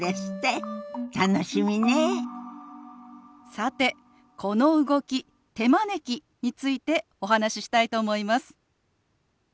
さてこの動き「手招き」についてお話ししたいと思います。